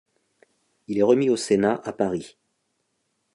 Il est remis au Sénat, à Paris.